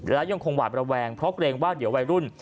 และยังคงหวาดระแวงเพราะเกรงว่าเดี๋ยววัยรุ่น